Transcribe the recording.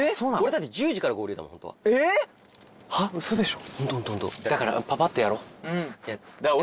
えっ⁉ウソでしょ？